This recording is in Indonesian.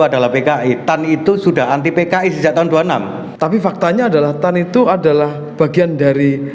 adalah pki tan itu sudah anti pki sejak tahun dua puluh enam tapi faktanya adalah tan itu adalah bagian dari